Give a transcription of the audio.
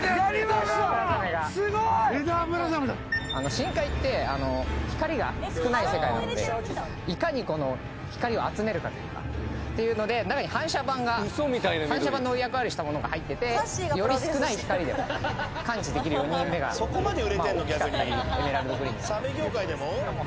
深海って光が少ない世界なのでいかに光を集めるかというか。というので中に反射板の役割をしたものが入っててより少ない光で感知できるように目が大きかったりエメラルドグリーン。